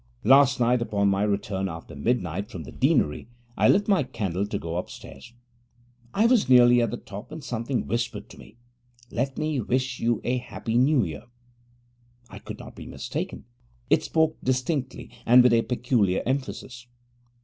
Last night, upon my return after midnight from the Deanery, I lit my candle to go upstairs. I was nearly at the top when something whispered to me, 'Let me wish you a happy New Year.' I could not be mistaken: it spoke distinctly and with a peculiar emphasis.